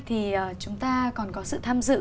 thì chúng ta còn có sự tham dự